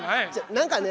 何かね